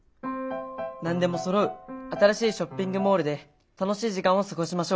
何でもそろう新しいショッピングモールで楽しい時間を過ごしましょう。